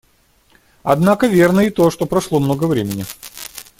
Однако верно и то, что прошло много времени.